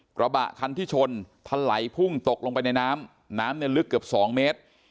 กระบะคันที่ชนทะไหลพุ่งตกลงไปในน้ำน้ำเนี่ยลึกเกือบ๒เมตร